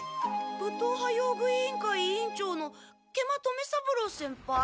武闘派用具委員会委員長の食満留三郎先輩。